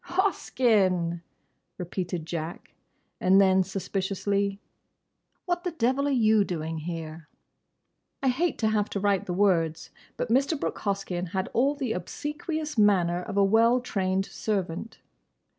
—" "Hoskyn!" repeated Jack. And then, suspiciously, "What the devil are you doing here?" I hate to have to write the words, but Mr. Brooke Hoskyn had all the obsequious manner of a well trained servant.